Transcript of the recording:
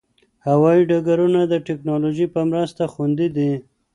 هوايي ډګرونه د ټکنالوژۍ په مرسته خوندي دي.